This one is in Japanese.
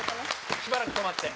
しばらく止まって。